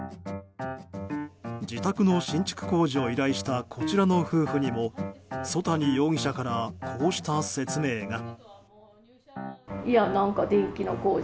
自宅の新築工事を依頼したこちらの夫婦にも曽谷容疑者からこうした説明が。